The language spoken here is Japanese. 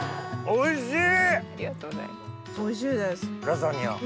おいしい！